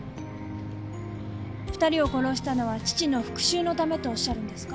２人を殺したのは父の復讐のためと仰るんですか？